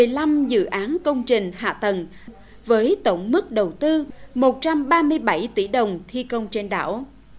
chỉ trong năm hai nghìn một mươi sáu một mươi năm dự án công trình hạ tầng với tổng mức đầu tư một trăm ba mươi bảy tỷ đồng thi công trên đảo